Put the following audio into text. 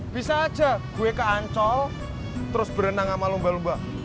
bisa aja gue ke ancol terus berenang sama lumba lumba